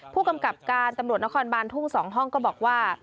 ผู้กำกับการตำรวจนครบานทุ่ง๒ห้องก็บอกว่า